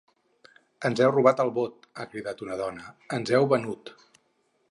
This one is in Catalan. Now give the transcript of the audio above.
Ens heu robat el vot!’, ha cridat una dona; ‘Ens heu venut!